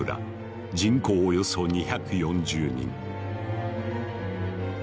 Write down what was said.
人口およそ２４０人。